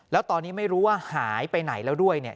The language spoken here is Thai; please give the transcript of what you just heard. แล้วตอนนี้ไม่รู้ว่าหายไปไหนแล้วด้วยเนี่ย